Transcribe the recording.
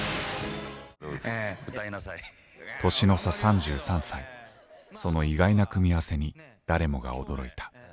年の差３３歳その意外な組み合わせに誰もが驚いた。